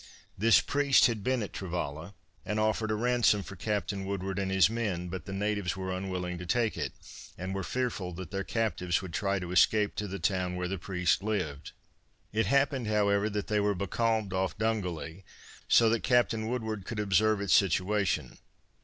This priest had been at Travalla, and offered a ransom for Captain Woodward and his men, but the natives were unwilling to take it, and were fearful that their captives would try to escape to the town where the priest lived. It happened however, that they were becalmed off Dungally, so that Captain Woodward could observe its situation.